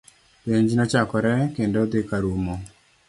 Penj nochakore kendo dhi karumo